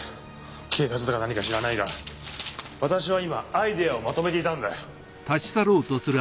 警察だか何か知らないが私は今アイデアをまとめていたんだよ。